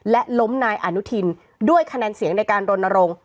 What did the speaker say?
และล้มนายอนุทินด้วยคะแนนเสียงในการรณรงค์